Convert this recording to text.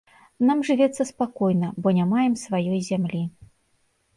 Нам жывецца спакойна, бо не маем сваёй зямлі.